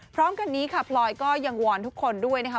พร้อมกันนี้ค่ะพลอยก็ยังวอนทุกคนด้วยนะคะ